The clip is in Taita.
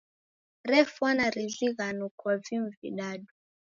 Refwana rizighano kwa vimu vidadu.